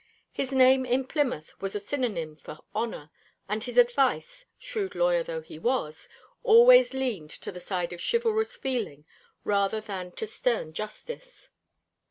His name in Plymouth was a synonym for honour, and his advice, shrewd lawyer though he was, always leaned to the side of chivalrous feeling rather than to stern justice.